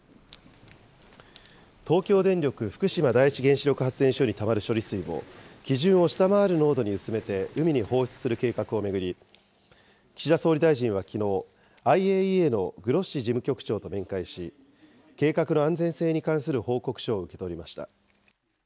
東京電力福島第一原子力発電所にたまる処理水を、基準を下回る濃度に薄めて海に放出する計画を巡り、岸田総理大臣はきのう、ＩＡＥＡのグロッシ事務局長と面会し、計画の安全性に関する報告書を受け取りました。